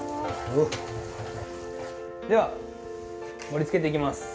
では盛りつけていきます。